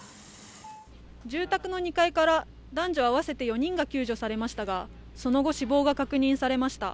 住宅の２階から男女合わせて４人が救助されましたがその後、死亡が確認されました。